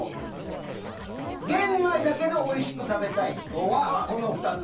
玄米だけでおいしく食べたい人はこの２つ。